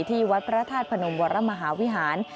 ที่วัดพระธาตุพนมวรมหาวิหาร